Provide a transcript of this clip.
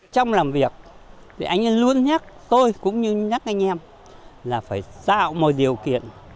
trong làm việc anh ấy luôn nhắc tôi cũng như nhắc anh em là phải xạo mọi điều kiện